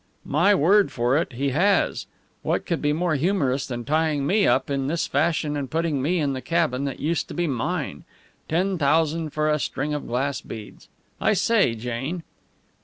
"My word for it, he has! What could be more humorous than tying me up in this fashion and putting me in the cabin that used to be mine? Ten thousand for a string of glass beads! I say, Jane!"